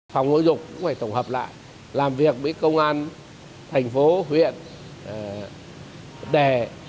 phòng ngũ dục cũng phải tổng hợp lại làm việc với công an thành phố huyện đề